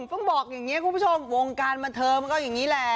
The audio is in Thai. ต้องบอกอย่างนี้คุณผู้ชมวงการบันเทิงมันก็อย่างนี้แหละ